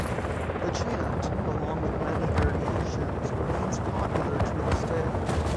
The chant, along with many variations, remains popular to this day.